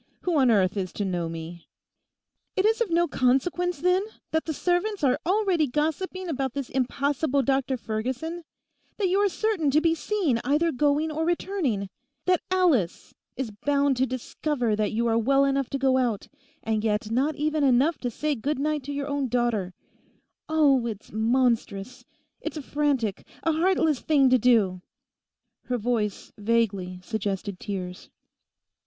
Who on earth is to know me?' 'It is of no consequence, then, that the servants are already gossiping about this impossible Dr Ferguson; that you are certain to be seen either going or returning; that Alice is bound to discover that you are well enough to go out, and yet not even enough to say good night to your own daughter—oh, it's monstrous, it's a frantic, a heartless thing to do!' Her voice vaguely suggested tears.